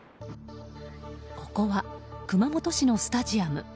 ここは熊本市のスタジアム。